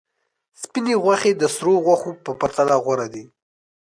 سپینې غوښې د سرو غوښو په پرتله غوره دي.